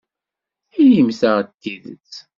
Inimt-aɣ-d tidet.